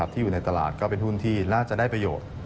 ที่อยู่ในตลาดก็เป็นหุ้นที่น่าจะได้ประโยชน์